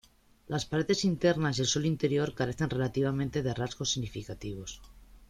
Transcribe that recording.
Las paredes internas y el suelo interior carecen relativamente de rasgos significativos.